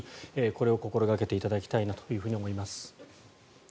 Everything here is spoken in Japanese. これを心掛けていただきたいなと思います。